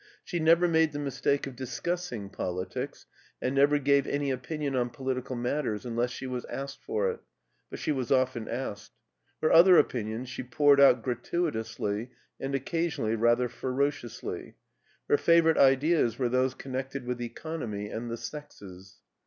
She never made the mistake of discus sing politics, and never gave any opinion on political matters unless she was asked for it, but she was often asked. Her other opinions she poured out gratuitously and occasionally rather ferociously. Her favorite ideas were those connected with economy and the sexes.